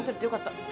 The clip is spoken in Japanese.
よかった。